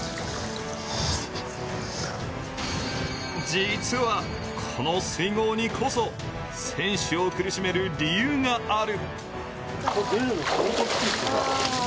実は、この水濠にこそ選手を苦しめる理由がある。